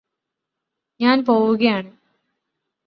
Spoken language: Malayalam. ഞാന് പോവുകയാണ്